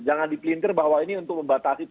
jangan dipelintir bahwa ini untuk membatasi